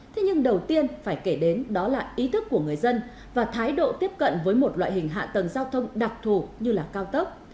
thế nhưng đầu tiên phải kể đến đó là ý thức của người dân và thái độ tiếp cận với một loại hình hạ tầng giao thông đặc thù như là cao tốc